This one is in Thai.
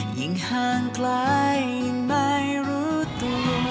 ยังห่างคล้ายยังไม่รู้ตัว